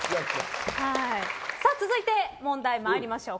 続いて、問題参りましょう。